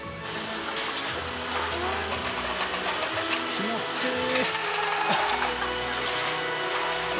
気持ちいい。